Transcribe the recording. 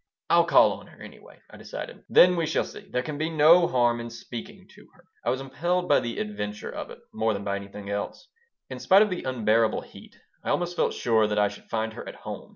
"I'll call on her, anyhow," I decided. "Then we shall see. There can be no harm in speaking to her." I was impelled by the adventure of it more than by anything else In spite of the unbearable heat, I almost felt sure that I should find her at home.